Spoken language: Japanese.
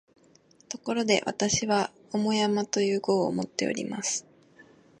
ところで、私は「重山」という号をもっております